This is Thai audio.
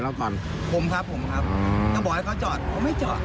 ครับผมครับถ้าบอกให้เขาจอดเขาไม่จอด